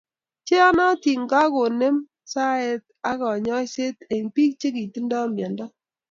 Cheyanatin kokonem saet ab kanyaiset eng biik chikitindo miando